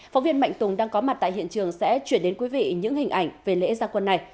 phóng viên mạnh tùng đang có mặt tại hiện trường sẽ chuyển đến quý vị những hình ảnh về lễ gia quân này